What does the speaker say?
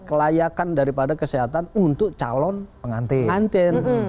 kelayakan daripada kesehatan untuk calon pengantin